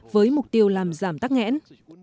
với mục tiêu làm giảm tắc nghẽn